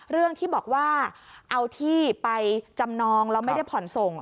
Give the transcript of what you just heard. เรื่องที่บอกว่าเอาที่ไปจำนองแล้วไม่ได้ผ่อนส่ง